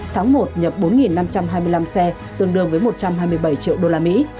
tháng một nhập bốn năm trăm hai mươi năm xe tương đương với một trăm hai mươi bảy triệu đô la mỹ